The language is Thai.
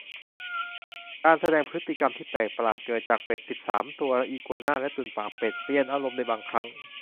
การแสดงพฤติกรรมที่แปลกประหลาด เกิดจาก เป็ดสิบสามตัว อีกัวน่า และตุ่นปากเป็ด เปลี่ยนอารมณ์ในบางครั้ง